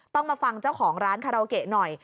ต้องมาฟังเจ้าของร้านคาราโอเกะหน่อย